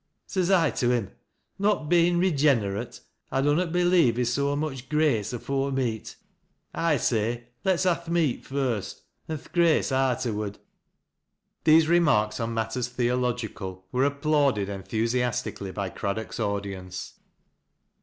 Ses I to liim, ' Not bein' regenerate, I dunnot believe i' so much grace afore meat. I saj, lets ha' th' meat first, an' th' grace arterward.' " These remarks upon matters theological were applauded enthusiastically by Craddock's audience.